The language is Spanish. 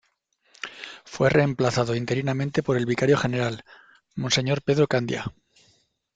Fue reemplazado interinamente por el vicario general, Monseñor Pedro Candia.